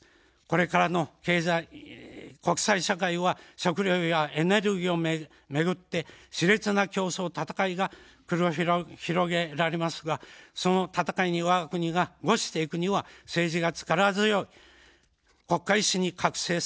これからの経済国際社会は、食料やエネルギーを巡ってしれつな競争、戦いが繰り広げられますが、その戦いにわが国が伍していくには、政治が力強い国家意志に覚醒しなければなりません。